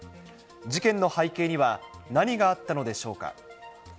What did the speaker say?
事件の背景には、何があったのでしょうか。